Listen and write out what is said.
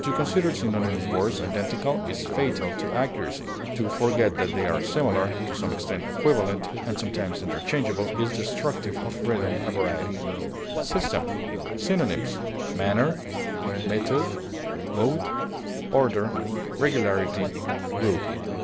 To consider synonymous words identical is fatal to accuracy; to forget that they are similar, to some extent equivalent, and sometimes interchangeable, is destructive of freedom and variety. SYSTEM. Synonyms: manner, method, mode, order, regularity, rule.